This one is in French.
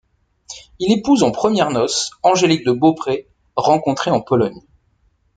Il épouse en premières noces Angélique de Beaupré, rencontrée en Pologne.